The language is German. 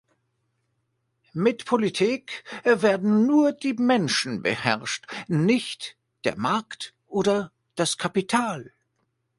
Mit Politik werden nur die Menschen beherrscht, nicht der Markt oder das Kapital.